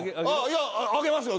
いやあげますよ